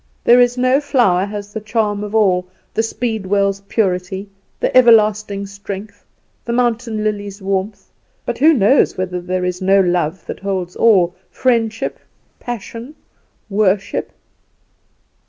There is no flower has the charm of all the speedwell's purity, the everlasting's strength, the mountain lily's warmth; but who knows whether there is no love that holds all friendship, passion, worship?